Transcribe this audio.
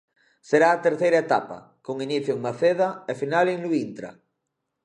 Será a terceira etapa, con inicio en Maceda e final en Luíntra.